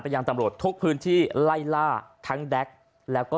เสียงของหนึ่งในผู้ต้องหานะครับ